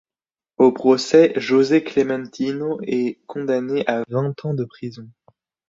Au procès, José Clementino est condamné à vingt ans de prison.